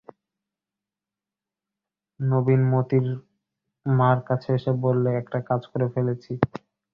নবীন মোতির মার কাছে এসে বললে, একটা কাজ করে ফেলেছি।